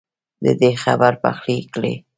ددې خبر پخلی کړی